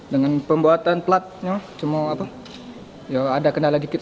dengan pembuatan plat cuma ada kendala dikit